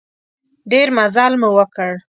ډېر مزل مو وکړ.